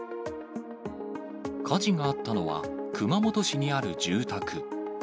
火事があったのは、熊本市にある住宅。